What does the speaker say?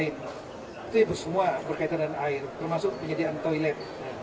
itu semua berkaitan dengan air termasuk penyediaan toilet